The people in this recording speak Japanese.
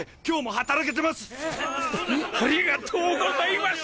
ありがとうございます！